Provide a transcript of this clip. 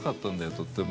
とっても。